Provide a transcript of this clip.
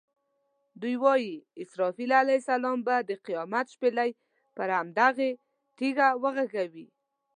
دوی وایي اسرافیل علیه السلام به د قیامت شپېلۍ پر همدې تیږه وغږوي.